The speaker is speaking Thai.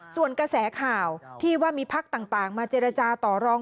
ส่วนกระแสข่าวที่ว่ามีพักต่างมาเจรจาต่อรอง